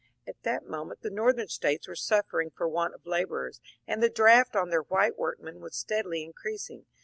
" At that moment the Northern States were suffering for want of labourers, and the draft on their white workmen was steadily increasing.